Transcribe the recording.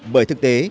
bởi thực tế